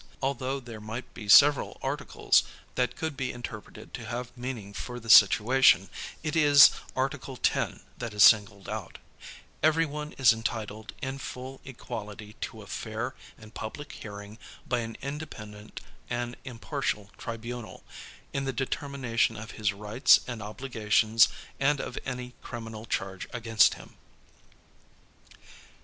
Although there might be several Articles that could be interpreted to have meaning for this situation, it is Article 10 that is singled out ŌĆö "Everyone is entitled in full equality to a fair and public hearing by an independent and impartial tribunal, in the determination of his rights and obligations and of any criminal charge against him."